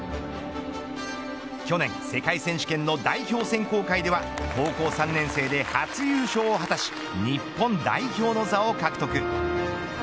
去年世界選手権の代表選考会では高校３年生で初優勝を果たし日本代表の座を獲得。